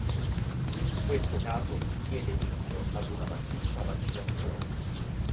Questo caso diede inizio ad una massiccia vaccinazione.